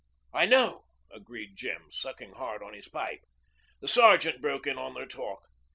'I know,' agreed Jem, sucking hard at his pipe. The Sergeant broke in on their talk.